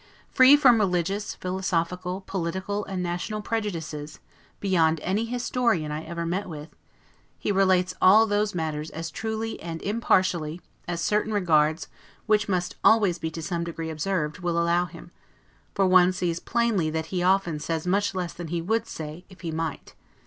Free from religious, philosophical, political and national prejudices, beyond any historian I ever met with, he relates all those matters as truly and as impartially, as certain regards, which must always be to some degree observed, will allow him; for one sees plainly that he often says much less than he would say, if he might.